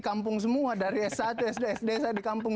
kampung semua dari s satu sd sd saya di kampung